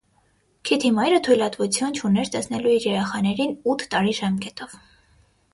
Քիթի մայրը թույլտվություն չուներ տեսնելու իր երեխաներին ութ տարի ժամկետով։